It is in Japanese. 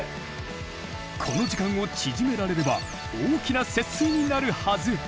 この時間を縮められれば大きな節水になるはず！